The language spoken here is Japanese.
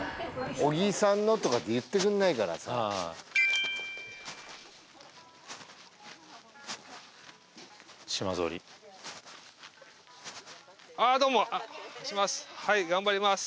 「小木さんの」とかって言ってくれないからさ島ぞうりあどうもはい頑張ります